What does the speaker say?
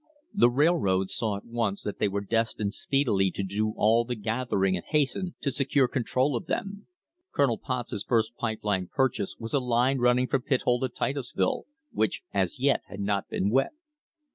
The railroads saw at once that they were destined speedily to do all the gathering and hastened to secure control of them. Colonel Potts's first pipe line purchase was a line running from Pithole to Titusville, which as yet had not been wet.